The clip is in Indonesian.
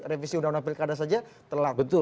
revisi undang undang pilkada saja telah betul